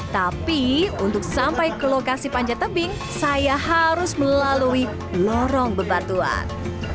tapi untuk sampai ke lokasi panjat tebing saya harus melalui lorong bebatuan